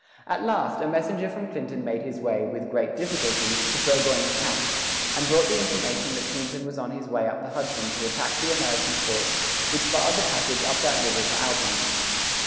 At last, a messenger from Clinton made his way, with great difficulty, to Burgoyne's camp, and brought the information that Clinton was on his way up the Hudson to attack the American forts which barred the passage up that river to Albany.